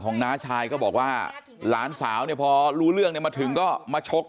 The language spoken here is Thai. ของนะชายก็บอกว่าทำล้านสาวเนี่ยพอรู้เรื่องมาถึงก็มาชก